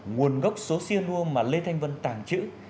nguồn gốc số xya mà lê thanh vân tàng trữ